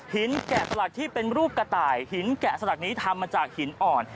แกะสลักที่เป็นรูปกระต่ายหินแกะสลักนี้ทำมาจากหินอ่อน